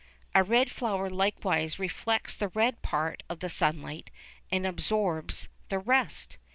A red flower likewise reflects the red part of the sunlight and absorbs the rest.